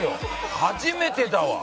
初めてだわ！